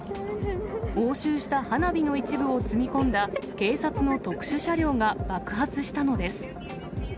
押収した花火の一部を積み込んだ警察の特殊車両が爆発したのです。